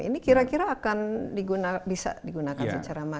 ini kira kira bisa digunakan secara maksimum atau